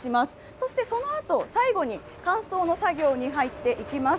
そしてそのあと最後に乾燥の作業に入っていきます。